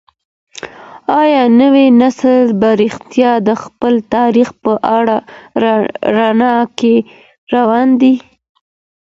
آيا نوی نسل په رښتيا د خپل تاريخ په رڼا کي روان دی؟